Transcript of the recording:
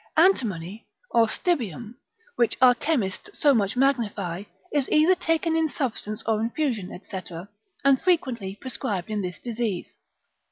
Antimony or stibium, which our chemists so much magnify, is either taken in substance or infusion, &c., and frequently prescribed in this disease.